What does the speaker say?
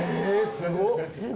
すごっ。